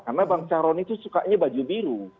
karena bank caroni itu sukanya baju biru